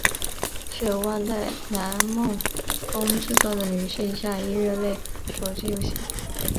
是由万代南梦宫制作的女性向音乐类手机游戏。